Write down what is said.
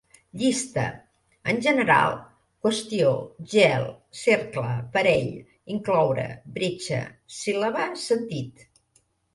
Llista: en general, qüestió, gel, cercle, parell, incloure, bretxa, síl·laba, sentit